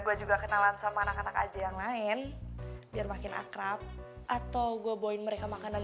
gue juga kenalan sama anak anak aja yang lain biar makin akrab atau gue boin mereka makanan